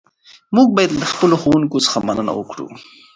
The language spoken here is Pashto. موږ باید له خپلو ښوونکو څخه مننه وکړو.